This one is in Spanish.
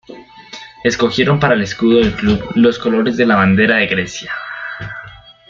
Escogieron para el escudo del club los colores de la bandera de Grecia.